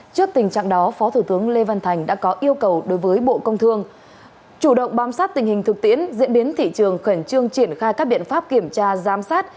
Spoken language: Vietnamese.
trước tình trạng đó phó thủ tướng lê văn thành đã có yêu cầu đối với bộ công thương chủ động bám sát tình hình thực tiễn diễn biến thị trường khẩn trương triển khai các biện pháp kiểm tra giám sát